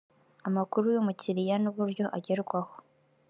amakuru y umukiliya n uburyo agerwaho